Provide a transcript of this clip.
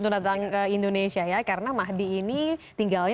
ini outrageous banget makanan teleportolnya